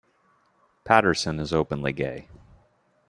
Patterson is openly gay.